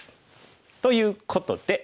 ということで。